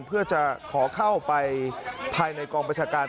เพื่อจะขอเข้าไปภายในกองประชาการ